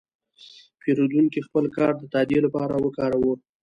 پیرودونکی خپل کارت د تادیې لپاره وکاراوه.